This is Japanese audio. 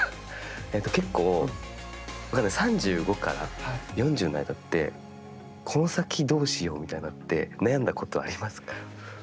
結構、３５から４０の間って、この先どうしようみたいなのって悩んだことってありますか。